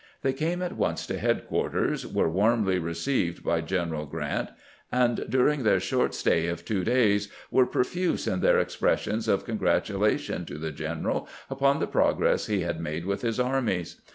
They came at once to headquarters, were warmly received by Greneral Orant, and during their short stay of two days were profuse in their expressions of congratulation to the general upon the progress he had riiade with his armies.